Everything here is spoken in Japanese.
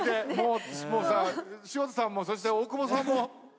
潮田さんもそして大久保さんも。